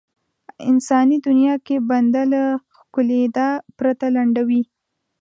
انساني دنيا کې بنده له ښکېلېدا پرته لنډوي.